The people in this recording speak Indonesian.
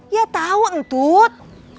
ya tau tut